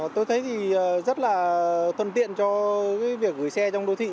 tôi thấy thì rất là thuận tiện cho việc gửi xe trong đô thị